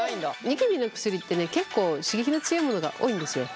ニキビの薬ってね結構刺激の強いものが多いんですよ。